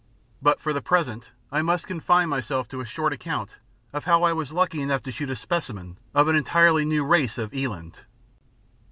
but for the present I must confine myself to a short account of how I was lucky enough to shoot a specimen of an entirely new race of eland.